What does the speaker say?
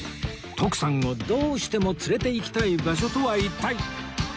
徳さんをどうしても連れて行きたい場所とは一体